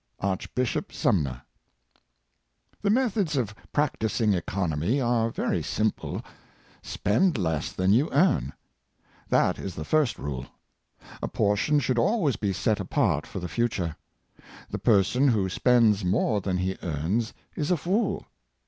— Archbishop Sumner. HE methods of practising economy are very simple. Spend less than you earn. That is the first rule. A portion should always be set apart for the future. The person who spends more than he earns is a fool.